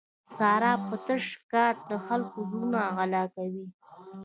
ساره په تش کاته د خلکو زړونه غلا کوي.